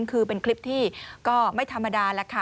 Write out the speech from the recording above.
คือเป็นคลิปที่ก็ไม่ธรรมดาแล้วค่ะ